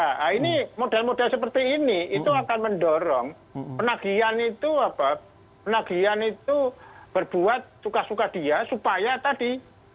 nah ini modal modal seperti ini itu akan mendorong penagihan itu berbuat suka suka dia supaya tadi